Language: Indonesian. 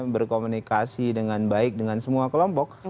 berkomunikasi dengan baik dengan semua kelompok